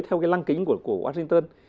theo cái lăng kính của washington